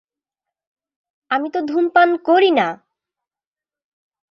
আমিতো ধুমপান করিনা।